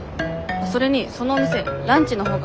それにそのお店ランチのほうが。